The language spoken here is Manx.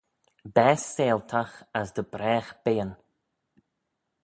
Baase seihltagh as dy bragh beayn.